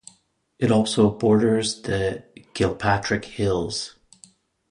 It also borders the Kilpatrick Hills.